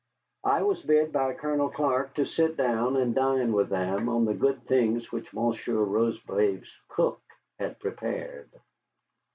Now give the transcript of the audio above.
I was bid by Colonel Clark to sit down and dine with them on the good things which Monsieur Rocheblave's cook had prepared.